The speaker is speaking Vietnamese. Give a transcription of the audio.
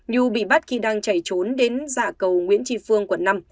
nhu bị bắt khi đang chảy trốn đến dạ cầu nguyễn tri phương quận năm